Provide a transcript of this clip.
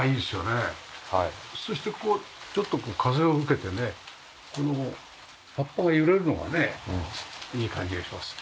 そしてこうちょっと風を受けてねこの葉っぱが揺れるのがねいい感じがします。